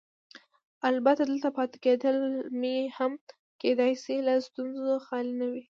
البته دلته پاتې کېدل مې هم کیدای شي له ستونزو خالي نه وي.